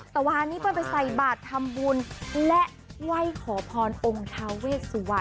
แต่วานนี้เปิ้ลไปใส่บาททำบุญและไหว้ขอพรองค์ทาเวสวรร